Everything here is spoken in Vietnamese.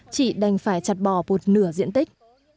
chị đành phải chặt bỏ một nửa diện tích